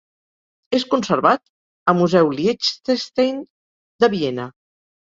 És conservat a museu Liechtenstein de Viena.